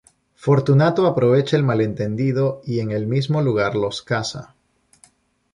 Fortunato aprovecha el malentendido y en el mismo lugar los casa.